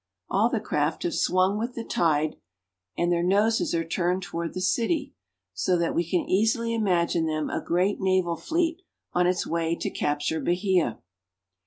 All the craft have swung with the tide, and their noses are turned toward the city, so that we can easily imagine them a great naval fleet on its way to capture Bahia.